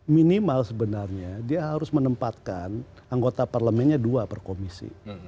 minimal sebenarnya dia harus menempatkan anggota parlemennya dua per komisi